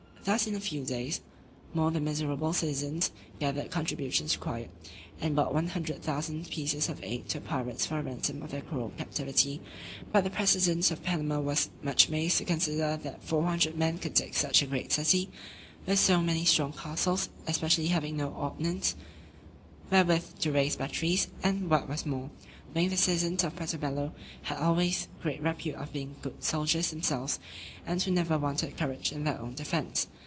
Thus in a few days more the miserable citizens gathered the contributions required, and brought 100,000 pieces of eight to the pirates for a ransom of their cruel captivity: but the president of Panama was much amazed to consider that four hundred men could take such a great city, with so many strong castles, especially having no ordnance, wherewith to raise batteries, and, what was more, knowing the citizens of Puerto Bello had always great repute of being good soldiers themselves, and who never wanted courage in their own defence.